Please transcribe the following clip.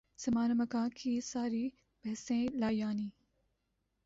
زمان و مکان کی ساری بحثیں لا یعنی۔